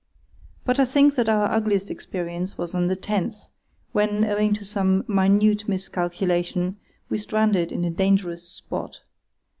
But I think that our ugliest experience was on the 10th, when, owing to some minute miscalculation, we stranded in a dangerous spot.